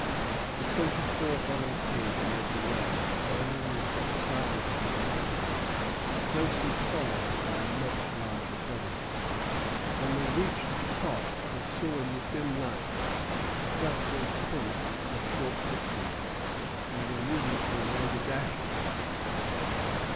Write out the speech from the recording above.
The twenty four volunteers led the way, climbing with what silence they might, closely followed by a much larger body. When they reached the top they saw in the dim light a cluster of tents at a short distance, and immediately made a dash at them.